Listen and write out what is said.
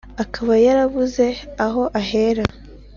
akaba yarabuze aho ahera